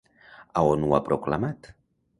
A on ho ha proclamat?